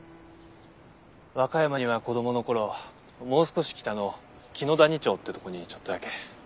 和歌山には子供の頃もう少し北の紀野谷町ってとこにちょっとだけ。